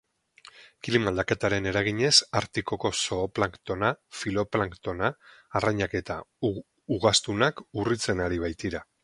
Klima aldaketaren eraginez Artikoko zooplanktona, fitoplanktona, arrainak eta ugaztunak urritzen ari baitira.